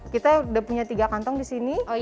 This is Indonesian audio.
kita sudah punya tiga kantong di sini